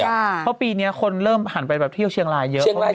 เพราะปีนี้คนเริ่มหันไปแบบเที่ยวเชียงรายเยอะ